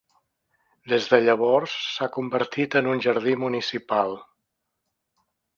Des de llavors s'ha convertit en un jardí municipal.